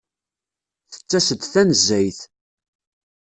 Tettas-d tanezzayt.